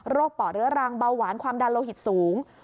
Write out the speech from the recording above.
ป่อเรื้อรังเบาหวานความดันโลหิตสูง